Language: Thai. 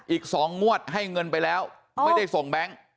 อีก๒งวดให้เงินไปแล้วไม่ได้ส่งแบงค์